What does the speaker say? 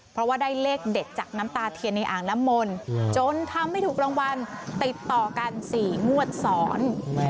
เพราะว่าได้เลขเด็ดจากน้ำตาเทียนในอ่างนมนต์โจทำไม่ถูกรางวัลติดต่อกันสี่มวลศร